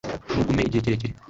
ntugume igihe kirekire